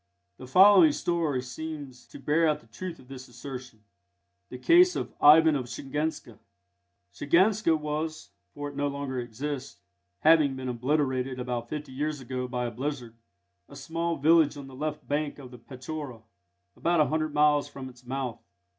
The following story seems to bear out the truth of this assertion: THE CASE OF IVAN OF SHIGANSKA Shiganska was for it no longer exists, having been obliterated about fifty years ago by a blizzard a small village on the left bank of the Petchora, about a hundred miles from its mouth.